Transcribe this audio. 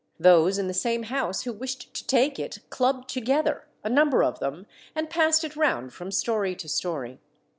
Those in the same house who wished to take it clubbed together, a number of them, and passed it round from story to story.